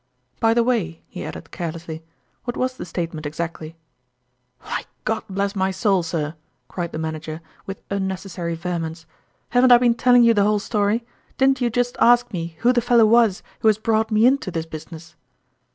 " By the way," he added carelessly, " what was the statement exactly ?"" Why, God bless my soul, sir !" cried the manager, with unnecessary vehemence, " haven't I been telling you the whole story? Didn't you just ask me who the fellow was who has brought me into this business